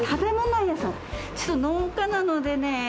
ちょっと農家なのでね